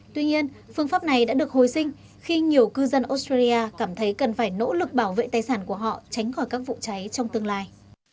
tuy nhiên phương pháp này đã được hồi sinh khi nhiều cư dân australia cảm thấy cần phải nỗ lực bảo vệ tài sản của họ tránh khỏi các vụ cháy trong tương lai